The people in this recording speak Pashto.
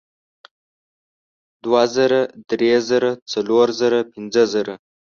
دوه زره درې زره څلور زره پینځه زره